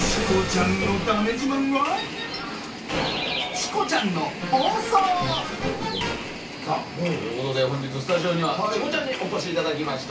しかしそんなさあということで本日スタジオにはチコちゃんにお越しいただきました。